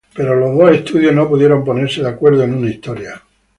Pero los dos estudios no pudieron ponerse de acuerdo en una historia.